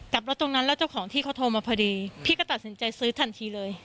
กลับรถตรงนั้นแล้วเจ้าของที่เขาโทรมาพอดีพี่ก็ตัดสินใจซื้อทันทีเลย